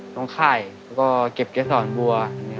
คร้องไข่ก็เก็บแก่ศ้อนผัว